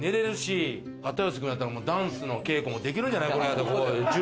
片寄君やったらダンスの稽古もできるんじゃない？